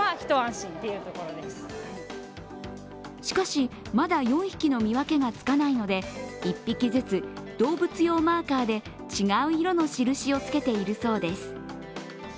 しかしまだ４匹の見分けがつかないので１匹ずつ動物用マーカーで違う色の印をつけているそうです。